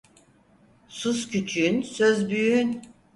Sus küçüğün, söz büyüğün.